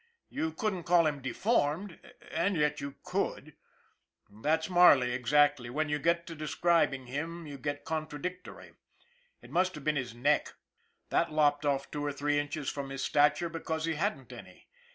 You couldn't call him deformed and yet you could ! That's Marley exactly when you get to describing him you get contradictory. It must have been his neck. That lopped off two or three inches from his stature because he hadn't any